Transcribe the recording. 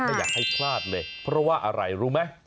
ไม่อยากให้พลาดเลยเพราะว่าอะไรรู้ไหม